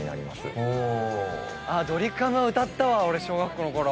ドリカムは歌ったわ小学校のころ。